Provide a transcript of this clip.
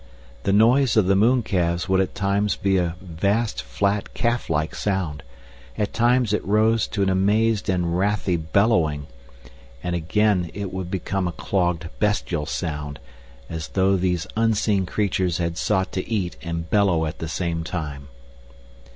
The noise of the mooncalves would at times be a vast flat calf like sound, at times it rose to an amazed and wrathy bellowing, and again it would become a clogged bestial sound, as though these unseen creatures had sought to eat and bellow at the same time.